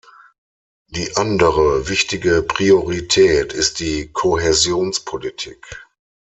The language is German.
Die andere wichtige Priorität ist die Kohäsionspolitik.